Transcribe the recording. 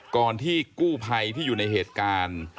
ก่อนที่กู้ภัยที่อยู่ในเหตุการณ์